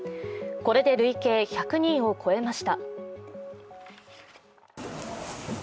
これで累計１００人を超えました。